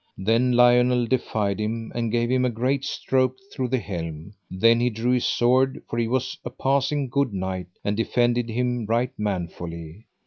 Then Lionel defied him, and gave him a great stroke through the helm. Then he drew his sword, for he was a passing good knight, and defended him right manfully.